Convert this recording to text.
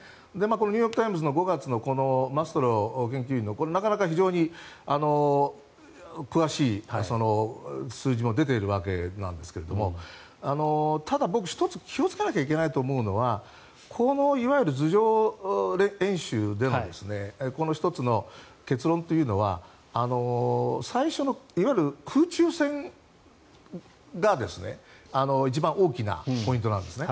このニューヨーク・タイムズの研究員のなかなか非常に詳しい数字も出ているわけなんですけどもただ、僕１つ気をつけなきゃいけないと思うのはこのいわゆる図上演習での１つの結論というのは最初の空中戦が一番大きなポイントなんですね。